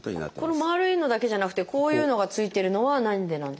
このまるいのだけじゃなくてこういうのが付いてるのは何でなんですか？